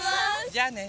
じゃあね。